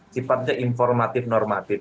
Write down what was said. sifatnya informatif normatif